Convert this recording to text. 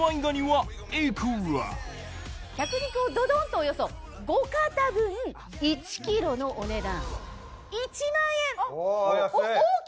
激うま脚肉をドドンとおよそ５肩分１ｋｇのお値段。